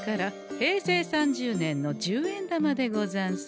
平成３０年の十円玉でござんす。